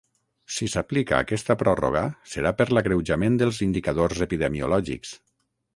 Si s’aplica aquesta pròrroga serà per l’agreujament dels indicadors epidemiològics.